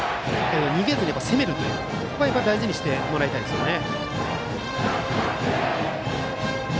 逃げずに攻めるというのを大事にしてもらいたいですよね。